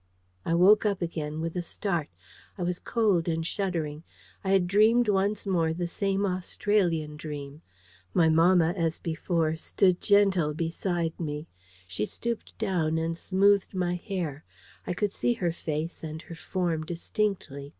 I woke up again with a start. I was cold and shuddering. I had dreamed once more the same Australian dream. My mamma as before stood gentle beside me. She stooped down and smoothed my hair: I could see her face and her form distinctly.